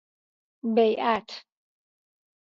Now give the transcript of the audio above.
بیعة